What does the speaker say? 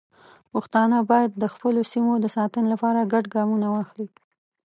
پښتانه باید د خپلو سیمو د ساتنې لپاره ګډ ګامونه واخلي.